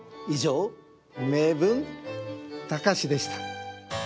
「名文たかし」でした。